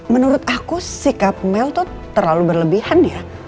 menurut aku sikap mel tuh terlalu berlebihan ya